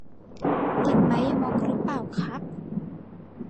ติดไม้ยมกหรือเปล่าครับ